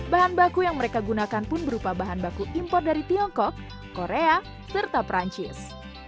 bahan baku yang mereka gunakan pun berupa bahan baku impor dari tiongkok korea serta perancis